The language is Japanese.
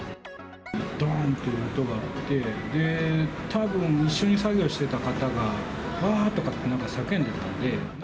どんという音があって、で、たぶん一緒に作業してた方が、わーとかって、なんか叫んでたので。